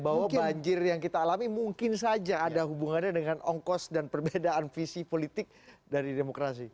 bahwa banjir yang kita alami mungkin saja ada hubungannya dengan ongkos dan perbedaan visi politik dari demokrasi